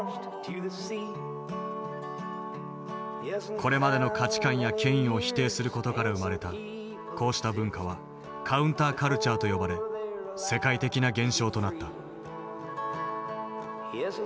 これまでの価値観や権威を否定する事から生まれたこうした文化はカウンター・カルチャーと呼ばれ世界的な現象となった。